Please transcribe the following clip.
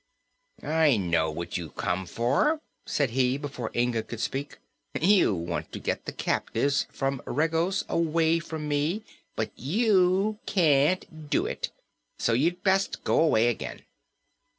"I know what you've come for," said he, before Inga could speak. "You want to get the captives from Regos away from me; but you can't do it, so you'd best go away again."